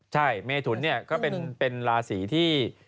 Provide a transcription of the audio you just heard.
ใช่เมถุนเนี่ยก็เป็นราศีที่